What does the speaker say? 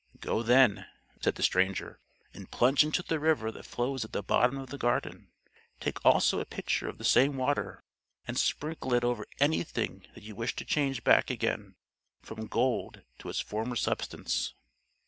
"Go then," said the stranger, "and plunge into the river that flows at the bottom of the garden: take also a pitcher of the same water, and sprinkle it over anything that you wish to change back again from gold to its former substance."